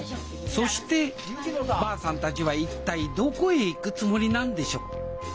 そしてばあさんたちは一体どこへ行くつもりなんでしょう？